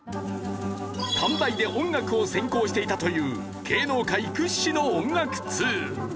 短大で音楽を専攻していたという芸能界屈指の音楽通！